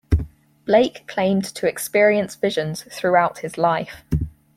Blake claimed to experience visions throughout his life.